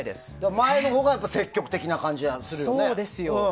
前のほうが積極的な感じがするよね。